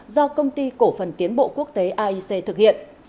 do công ty cổ phần tiến bộ quốc tế aic thực hiện